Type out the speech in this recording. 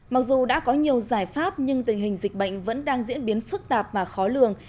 mặc dù đã có nhiều giải pháp nhưng tình hình dịch bệnh vẫn đang diễn biến phức tạp và khó lường